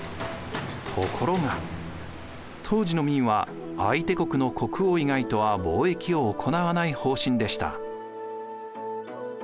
ところが当時の明は相手国の国王以外とは貿易を行わない方針でした。